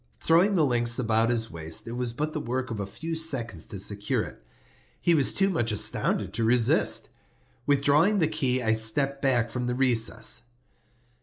Throwing the links about his waist, it was but the work of a few seconds to secure it. He was too much astounded to resist. Withdrawing the key I stepped back from the recess.